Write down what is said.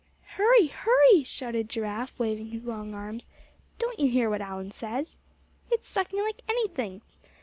"Hurry! hurry!" shouted Giraffe, waving his long arms; "don't you hear what Allan says? It's sucking like anything.